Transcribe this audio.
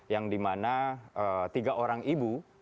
yang dimana tiga orang ibu